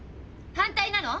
反対なの！？